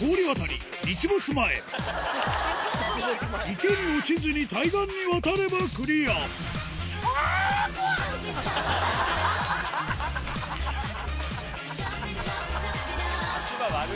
池に落ちずに対岸に渡ればクリア足場悪い。